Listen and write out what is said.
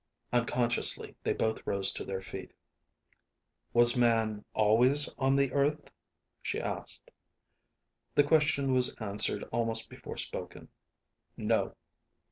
Unconsciously they both rose to their feet. "Was man always on the earth?" she asked. The question was answered almost before spoken. "No."